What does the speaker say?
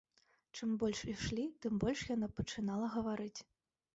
Чым больш ішлі, тым больш яна пачынала гаварыць.